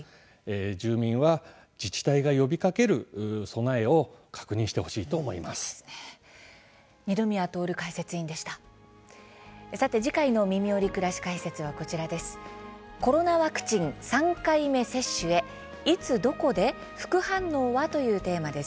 住民は自治体が呼びかける備えを確認してほしいと思います。